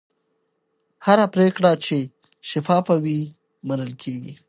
هره پرېکړه چې شفافه وي، منل کېږي.